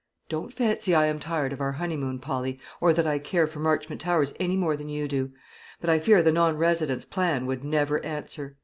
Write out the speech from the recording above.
Don't fancy I am tired of our honeymoon, Polly, or that I care for Marchmont Towers any more than you do; but I fear the non residence plan would never answer.